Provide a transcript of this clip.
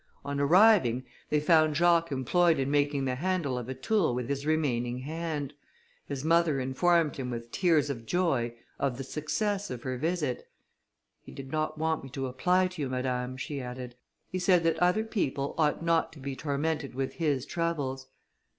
On arriving, they found Jacques employed in making the handle of a tool with his remaining hand. His mother informed him, with tears of joy, of the success of her visit. "He did not want me to apply to you, madame," she added; "he said that other people ought not to be tormented with his troubles."